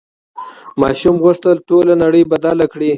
ماشوم غوښتل ټوله نړۍ بدله کړي.